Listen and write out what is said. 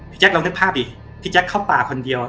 แจ๊คลองนึกภาพดิพี่แจ๊คเข้าป่าคนเดียว